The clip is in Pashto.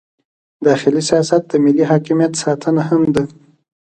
داخلي سیاست د ملي حاکمیت ساتنه هم ده.